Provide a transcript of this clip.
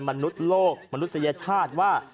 มนุษย์โลกมนุษยชาติว่า